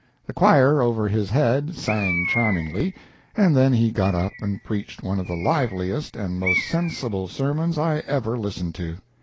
The choir over his head sang charmingly, and then he got up and preached one of the liveliest and most sensible sermons I ever listened to.